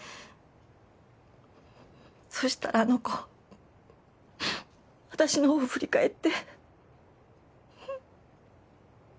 そしたらあの子私の方を振り返って。